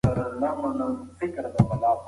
خلک اوس له برېښنا ګټه اخلي.